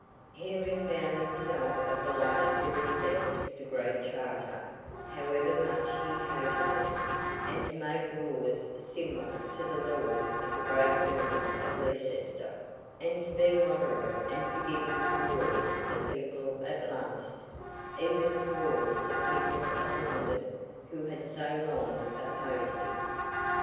Henry found himself obliged to respect the Great Charter, however much he hated it, and to make laws similar to the laws of the Great Earl of Leicester, and to be moderate and forgiving towards the people at last—even towards the people of London, who had so long opposed him.